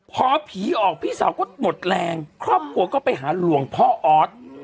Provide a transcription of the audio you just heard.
พอผีออกพี่สาวก็หมดแรงครอบครัวก็ไปหาหลวงพ่อออส